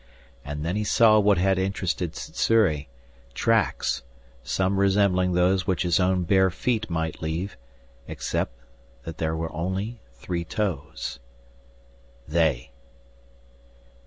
And then he saw what had interested Sssuri: tracks, some resembling those which his own bare feet might leave, except that there were only three toes! "_They.